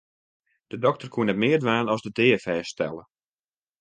De dokter koe net mear dwaan as de dea fêststelle.